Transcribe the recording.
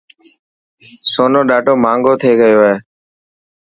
سونو ڏاڌو ماهنگو ٿي گيو هي.